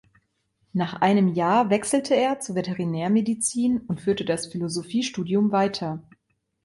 Nach einem Jahr wechselte er zur Veterinärmedizin und führte das Philosophiestudium weiter.